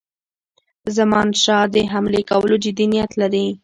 زمانشاه د حملې کولو جدي نیت لري.